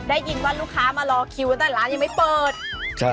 ได้ยินว่าลูกค้ามารอคิวแต่ร้านยังไม่เปิดใช่